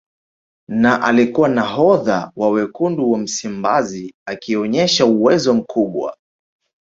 Na alikuwa nahodha wa Wekundu wa Msimbazi akionyesha uwezo mkubwa